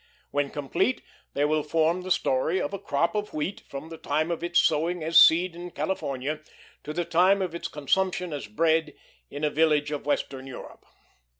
When complete, they will form the story of a crop of wheat from the time of its sowing as seed in California to the time of its consumption as bread in a village of Western Europe.